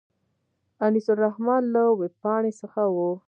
انیس الرحمن له وېبپاڼې څخه و.